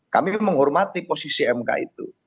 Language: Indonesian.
kami menghormati posisi mk itu